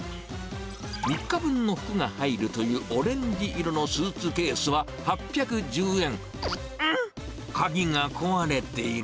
３日分の服が入るというオレンジ色のスーツケースは８１０円。